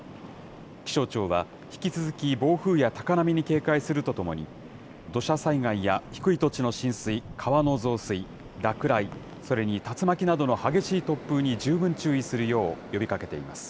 気象庁は、引き続き暴風や高波に警戒するとともに、土砂災害や低い土地の浸水、川の増水、落雷、それに竜巻などの激しい突風に十分注意するよう呼びかけています。